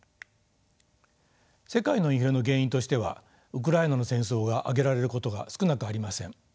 世界のインフレの原因としてはウクライナの戦争が挙げられることが少なくありません。